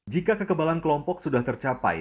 jika kekebalan kelompok sudah tercapai